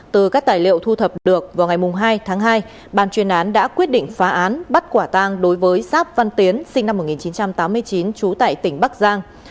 từ các tài liệu thu thập được vào ngày hai tháng hai ban chuyên án đã quyết định phá án bắt quả tang đối với sáp văn tiến sinh năm một nghìn chín trăm tám mươi chín trú tại tỉnh bắc giang